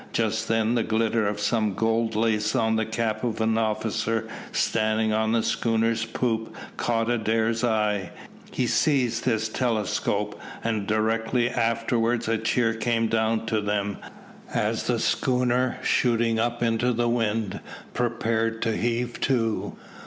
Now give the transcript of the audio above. Just then the glitter of some gold lace on the cap of an officer standing on the schooner's poop caught Adair's eye. He seized his telescope, and directly afterwards a cheer came down to them, as the schooner, shooting up into the wind, prepared to heave to.